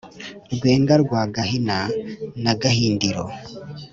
rwenga rwa gahina na gahindirio